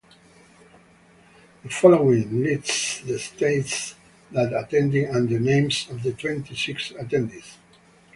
The following lists the states that attended and the names of the twenty-six attendees.